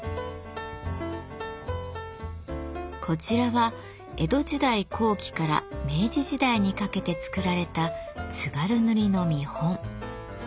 こちらは江戸時代後期から明治時代にかけて作られた津軽塗の見本。